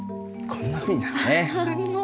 こんなふうになるね。